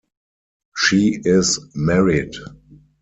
She is married.